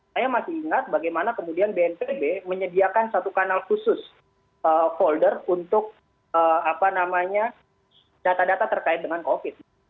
saya masih ingat bagaimana kemudian bnpb menyediakan satu kanal khusus folder untuk data data terkait dengan covid